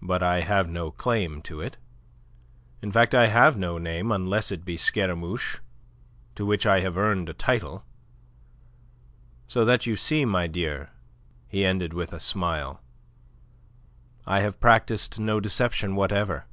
But I have no claim to it. In fact I have no name, unless it be Scaramouche, to which I have earned a title. So that you see, my dear," he ended with a smile, "I have practised no deception whatever."